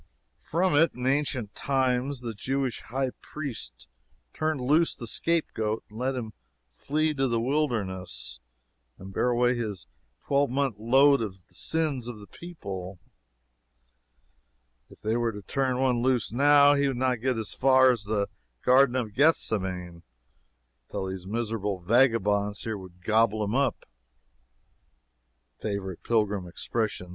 From it, in ancient times, the Jewish High Priest turned loose the scapegoat and let him flee to the wilderness and bear away his twelve month load of the sins of the people. If they were to turn one loose now, he would not get as far as the Garden of Gethsemane, till these miserable vagabonds here would gobble him up, [Favorite pilgrim expression.